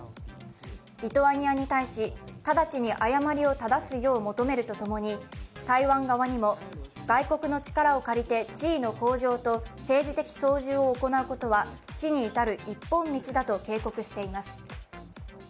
リトアニアに対し、直ちに誤りを正すよう求めるとともに台湾側にも外国の力を借りて地位の向上と政治的操縦を行うことは死に至る一歩道だと警告しています。